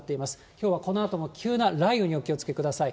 きょうはこのあとも急な雷雨にお気をつけください。